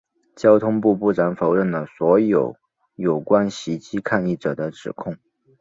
交通部部长否认了所有有关袭击抗议者的指控。